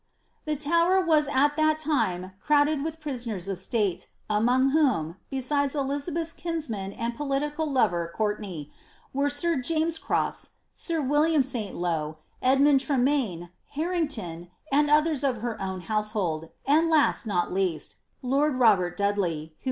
The Tower was at that time crowded with prisoners of state, among whom, besides Elizabeth's kinsman and political lover Courtenay, were 9ir James Crofts, sir William Saintlow, Edmund Tremaine, Harrington, and others of her own household, and last, not least, lord Robert Dud » Speed; Fox; Warton.